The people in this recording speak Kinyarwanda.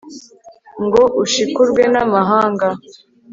ngo ushikurwe n'amahanga